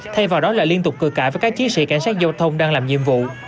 thay vào đó là liên tục cười cãi với các chiến sĩ cảnh sát giao thông đang làm nhiệm vụ